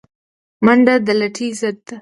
منډه د لټۍ ضد ده